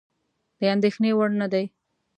د اندېښنې وړ نه دي.